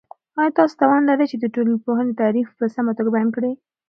آیا تاسو توان لرئ چې د ټولنپوهنې تعریف په سمه توګه بیان کړئ؟